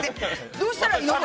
どうしたらいいの？